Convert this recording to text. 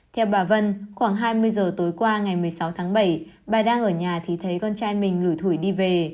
theo bà vân khoảng hai mươi giờ tối qua ngày một mươi sáu tháng bảy bà đang ở nhà thì thấy con trai mình lủi thủy đi về